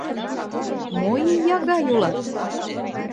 Мо ия гай улат?